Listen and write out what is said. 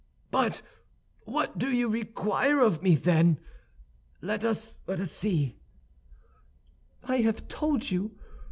"But what do you require of me, then? Let us see." "I have told you.